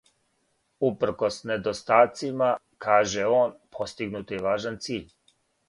Упркос недостацима, каже он, постигнут је важан циљ.